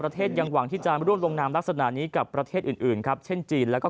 ยังหวังที่จะร่วมลงนามลักษณะนี้กับประเทศอื่นอื่นครับเช่นจีนแล้วก็